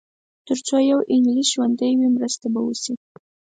تر څو یو انګلیس ژوندی وي مرسته به وشي.